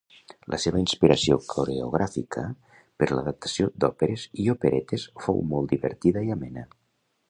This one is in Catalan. La seva inspiració coreogràfica per l'adaptació d'òperes i operetes fou molt divertida i amena.